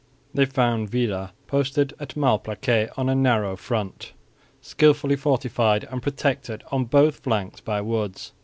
They found Villars posted at Malplaquet on a narrow front, skilfully fortified and protected on both flanks by woods.